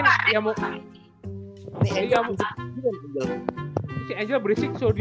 gue lupa soalnya kata kata dia susah aja soalnya